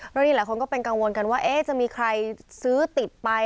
แล้วหลายคนก็เป็นกังวลกันว่าจะมีใครซื้อติดไป